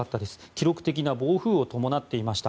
記録的な暴風を伴っていました。